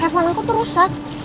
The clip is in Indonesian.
hewan aku tuh rusak